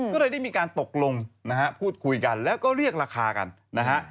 ก็เลยได้มีการตกลงนะฮะพูดคุยกันแล้วก็เรียกราคากันนะฮะ